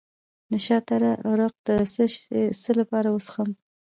د شاه تره عرق د څه لپاره وڅښم؟